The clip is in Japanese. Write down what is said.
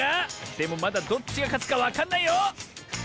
でもまだどっちがかつかわかんないよ！